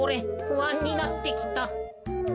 ふあんになってきた。